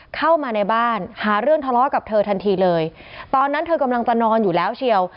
เข้ามาในบ้านหาเรื่องทะเลาะกับเธอทันทีเลยตอนนั้นเธอกำลังจะนอนอยู่แล้วเชียว